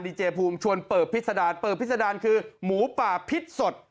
เจภูมิชวนเปิบพิษดารเปิบพิษดารคือหมูป่าพิษสด